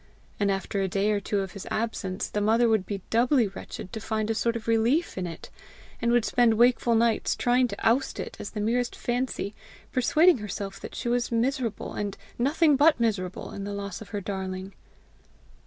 And after a day or two of his absence, the mother would be doubly wretched to find a sort of relief in it, and would spend wakeful nights trying to oust it as the merest fancy, persuading herself that she was miserable, and nothing but miserable, in the loss of her darling.